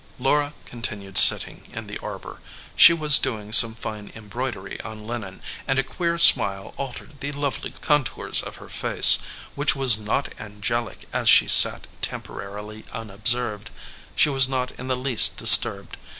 Laura continued sitting in the arbor. She was doing some fine embroidery on linen, and a queer smile altered the lovely contours of her face, which was not angelic as she sat temporarily unobserved. She was not in the least disturbed.